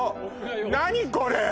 何これ？